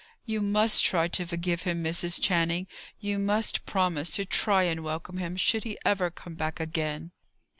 You must try to forgive him, Mrs. Channing: you must promise to try and welcome him, should he ever come back again!"